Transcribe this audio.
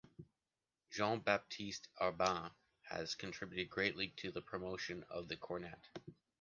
Jean-Baptiste Arban has contributed greatly to the promotion of the cornet.